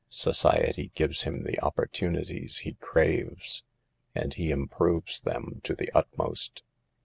Society gives him the opportunities he craves, and he im proves them to the utmost.